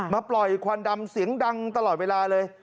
มาปล่อยควันดำเสียงดังตลอดเวลาเลย